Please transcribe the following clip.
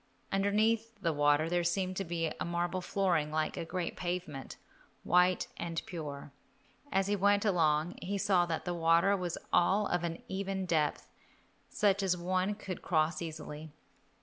Underneath the water there seemed to be a marble flooring like a great pavement, white and pure. As he went along he saw that the water was all of an even depth, such as one could cross easily.